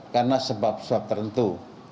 karena sebab sebab tertentu